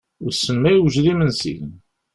Wissen ma yewjed imensi.